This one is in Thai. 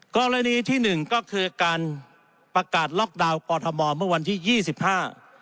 กรณีที่หนึ่งก็คือการประกาศล็อกดาวน์กอทมเมื่อวันที่ยี่สิบห้า